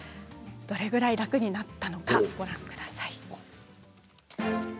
どれぐらい楽になったのかご覧ください。